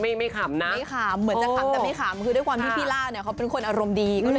ไม่ขำนะไม่ขำเหมือนจะขำแต่ไม่ขำคือด้วยความที่พี่ล่าเนี่ยเขาเป็นคนอารมณ์ดี